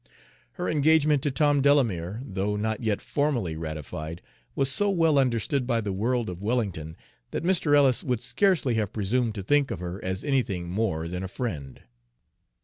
Her engagement to Tom Delamere, though not yet formally ratified, was so well understood by the world of Wellington that Mr. Ellis would, scarcely have presumed to think of her as anything more than a friend.